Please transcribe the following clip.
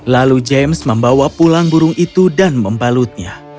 lalu james membawa pulang burung itu dan membalutnya